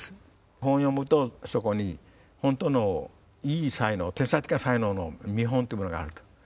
本を読むとそこに本当のいい才能天才的な才能の見本っていうものがあると。